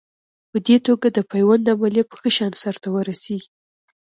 په دې توګه د پیوند عملیه په ښه شان سر ته ورسېږي.